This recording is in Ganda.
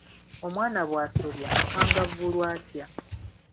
Omwana bw'asobya akangavvulwa atya?